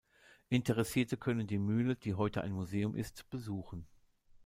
Interessierte können die Mühle, die heute ein Museum ist, besuchen.